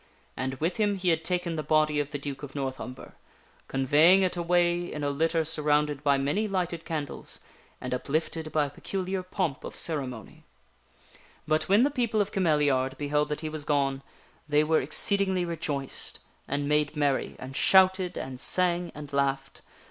And with him he had taken the body of the Duke of North Umber, conveying it away in a litter surrounded by many lighted candles and uplifted by a peculiar pomp of ceremony. But when the people of Cameliard beheld that he was gone, they were exceedingly *: KING RYENCE MAKES DEMANDS 13I rejoiced, and made merry, and shouted and sang and laughed.